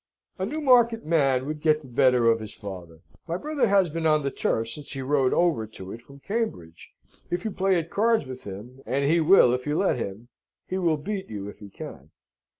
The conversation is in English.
"A Newmarket man would get the better of his father. My brother has been on the turf since he rode over to it from Cambridge. If you play at cards with him and he will if you will let him he will beat you if he can."